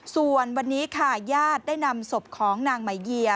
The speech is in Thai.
ส่วนวันนี้ค่ะญาติได้นำศพของนางไหมเยีย